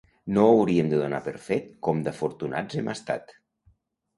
No hauríem de donar per fet com d'afortunats hem estat.